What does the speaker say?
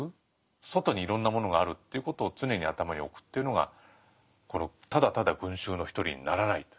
外にいろんなものがあるっていうことを常に頭に置くというのがただただ群衆の一人にならない。